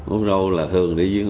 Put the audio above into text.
úc râu là đường úc úc đòn là đường úc